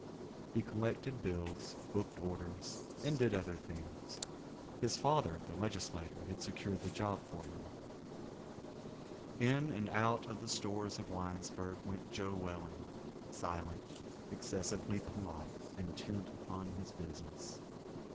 He collected bills, booked orders, and did other things. His father, the legislator, had secured the job for him. In and out of the stores of Winesburg went Joe Welling—silent, excessively polite, intent upon his business.